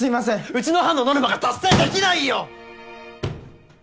うちの班のノルマが達成できないよ！